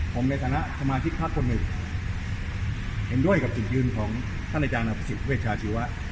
ผมในฐานะสมาชิกพักคนหนึ่งเห็นด้วยกับจุดยืนของท่านอาจารย์อภิษฎเวชาชีวะ